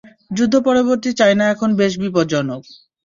যুদ্ধ পরবর্তী চায়না এখন বেশ বিপজ্জনক।